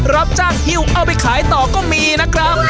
รับจ้างฮิวเอาไปขายต่อก็มีนะครับ